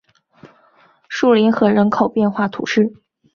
树林河人口变化图示